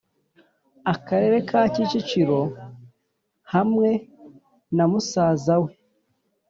Akarere ka Kicukiro hamwe na musaza we